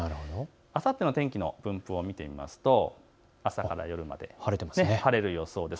あさっての天気の分布を見てみますと朝から夜まで晴れる予想です。